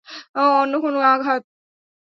অন্য কোনও আঘাত?